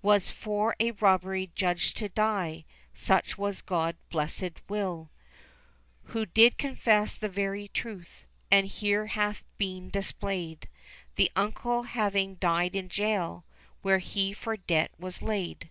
Was for a robbery judged to die. Such was God's blessed will : Who did confess the very truth. As here hath been displayed : The uncle having died in jail. Where he for debt was laid.